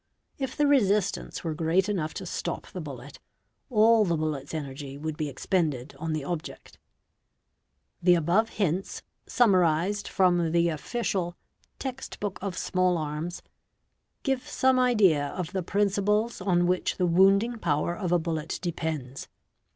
If the resistance were great enough to stop the bullet, all the bullet's energy would be expended on the object. The above hints, summarized from the official ' Text Book of Small Arms' ,®® give some idea of the principles on which the wounding power of a bullet depends.